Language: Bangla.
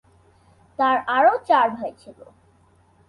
তার আরও চার ভাই ছিল।